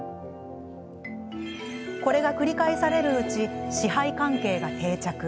これが繰り返されるうち支配関係が定着。